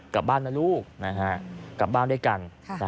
กลับบ้านนะลูกกลับบ้านด้วยกัน